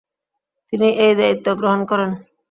তিনি এই দায়িত্ব গ্রহণ করেন।